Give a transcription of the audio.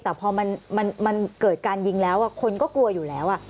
แต่พอมันเกิดการยิงแล้วคนก็กลัวอยู่แล้ว